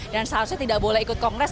dan seharusnya tidak boleh ikut kongres